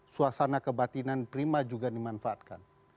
suasana kebatinan prima juga dimanfaatkan